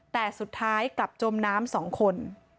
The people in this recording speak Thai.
แต่สุดท้ายกลับจมน้ำ๒คน